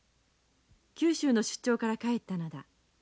九州の出張から帰ったのだ。